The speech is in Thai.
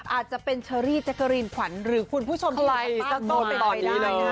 อาจจะเป็นเชอรี่แจ๊กกะรีนขวัญหรือคุณผู้ชมที่ไลน์ก็เป็นไปได้นะ